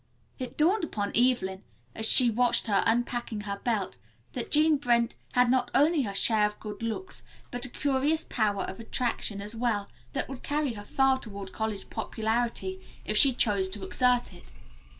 It dawned upon Evelyn as she watched her unpacking her bag that Jean Brent had not only her share of good looks but a curious power of attraction as well that would carry her far toward college popularity if she chose to exert it.